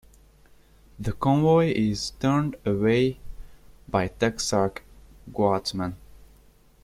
The convoy is turned away by Texark guardsmen.